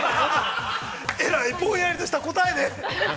◆えらいぼんやりとした答えで。